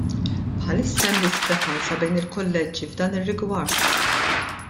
Bħalissa hemm diskrepanza bejn il-kulleġġi f'dan ir-rigward.